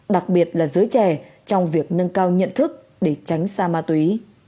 đặc biệt là giới trẻ trong việc nâng cao nhận thức để tránh xa ma túy